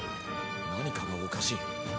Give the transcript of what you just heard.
何かがおかしい。